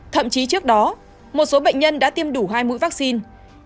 thậm chí trước đó một số bệnh nhân đã tiêm đủ hai mũi vaccine